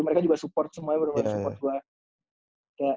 mereka juga support semua bener bener support gue